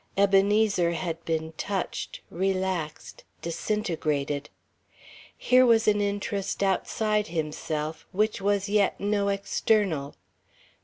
Ebenezer had been touched, relaxed, disintegrated. Here was an interest outside himself which was yet no external.